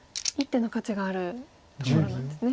１手の価値があるところなんですね。